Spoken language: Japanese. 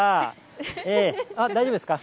大丈夫ですか？